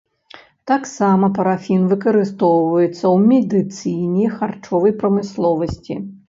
Таксама парафін выкарыстоўваецца ў медыцыне, харчовай прамысловасці.